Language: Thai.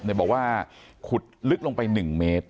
เดี๋ยวบอกว่าขุดลึกลงไป๑เมตร